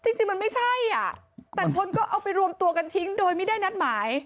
จริงมันไม่ใช่อ่ะแต่คนก็เอาไปรวมตัวกันทิ้งโดยไม่ได้นัดหมาย